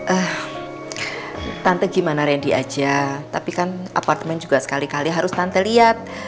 eh tante gimana randy aja tapi kan apartemen juga sekali kali harus tante lihat